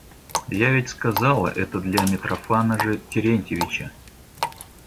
Я ведь сказала это для Митрофана же Терентьевича.